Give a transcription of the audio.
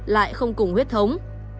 lại không cùng huyết thống